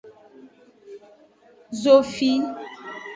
Zofi.